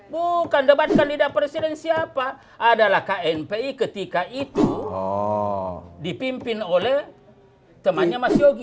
bukan debat kandidat presiden siapa adalah knpi ketika itu dipimpin oleh temannya mas yogi